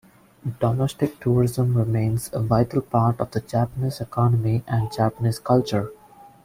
Domestic tourism remains a vital part of the Japanese economy and Japanese culture.